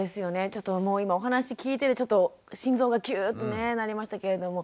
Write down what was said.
ちょっともう今お話聞いててちょっと心臓がキューッとねなりましたけれども。